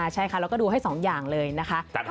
ใช่ค่ะเราก็ดูให้๒อย่างเลยนะคะ